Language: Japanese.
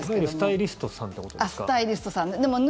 いわゆるスタイリストさんってことですか？